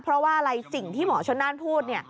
เพราะว่าอะไรสิ่งที่หมอชนน่านพูดเนี่ย